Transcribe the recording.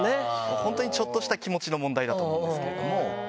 本当にちょっとした気持ちの問題だと思うんですけども。